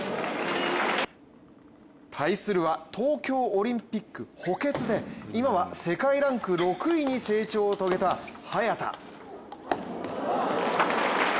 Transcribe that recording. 対するは東京オリンピック補欠で今は世界ランク６位に成長を遂げた早田。